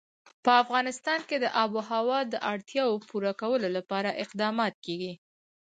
په افغانستان کې د آب وهوا د اړتیاوو پوره کولو لپاره اقدامات کېږي.